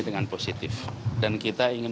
dengan positif dan kita ingin